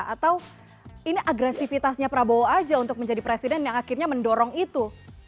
atau ini agresifitasnya prabowo aja untuk menjadi presiden yang akhirnya mendorong itu